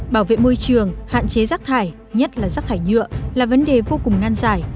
bảo vệ môi trường hạn chế rác thải nhất là rác thải nhựa là vấn đề vô cùng nan giải